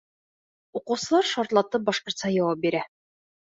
Уҡыусылар шартлатып башҡортса яуап бирә.